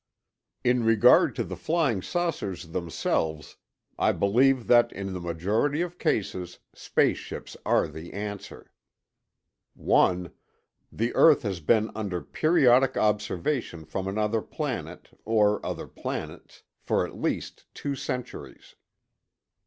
In regard to the flying saucers themselves, I believe that in the majority of cases, space ships are the answer: 1. The earth has been under periodic observation from another planet, or other planets, for at least two centuries.